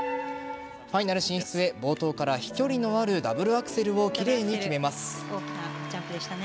ファイナル進出へ冒頭から飛距離のあるダブルアクセルを奇麗に決めます。